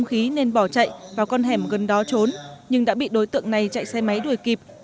thôi đuổi đánh cho hung khí nên bỏ chạy vào con hẻm gần đó trốn nhưng đã bị đối tượng này chạy xe máy đuổi kịp